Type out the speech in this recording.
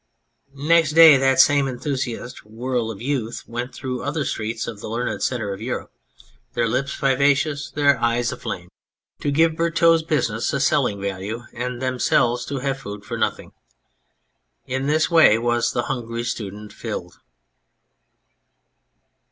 Next day that same enthusiastic whirl of youth went through other streets of the learned centre of Europe, their lips vivacious, their eyes aflame, to 181 On Anything give Berteaux's business a selling value, and them selves to have food for nothing. In this way was the Hungry Student filled.